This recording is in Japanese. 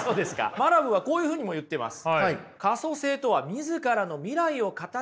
マラブーはこういうふうにも言ってます。